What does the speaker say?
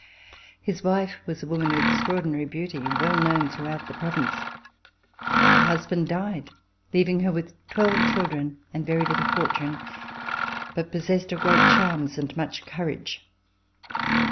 His wife was a woman of extraordinary beauty, well known throughout the province. Her husband died leaving her with twelve children and with very little fortune, but possessed of great charms and much courage.